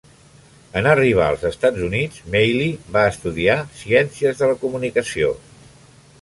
En arribar als Estats Units, Meili va estudiar ciències de la comunicació.